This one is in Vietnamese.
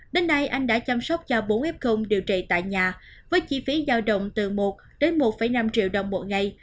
đến nay anh đã chăm sóc cho bốn f điều trị tại nhà với chi phí giao động từ một đến một năm triệu đồng một ngày